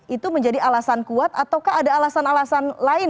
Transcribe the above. itu menjadi alasan kuat ataukah ada alasan alasan lain